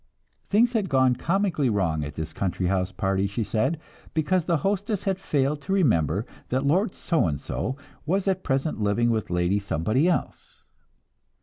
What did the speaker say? Things had gone comically wrong at this country house party, she said, because the hostess had failed to remember that Lord So and so was at present living with Lady Somebody else.